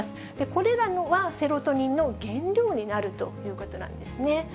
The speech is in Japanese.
これらはセロトニンの原料になるということなんですね。